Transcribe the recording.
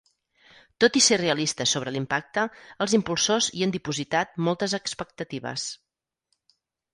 Tot i ser realistes sobre l’impacte, els impulsors hi han dipositat moltes expectatives.